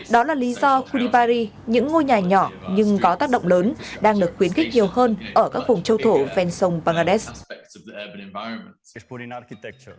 đó là lý do curibari những ngôi nhà nhỏ nhưng có tác động lớn đang được khuyến khích nhiều hơn ở các vùng châu thổ ven sông bangladesh